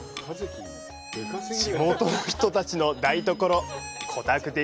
地元の人たちの台所、コタグデ